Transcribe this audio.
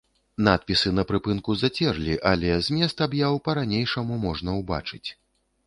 Надпісы на прыпынку зацерлі, але змест аб'яў па-ранейшаму можна ўбачыць.